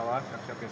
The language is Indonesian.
awas yuk awas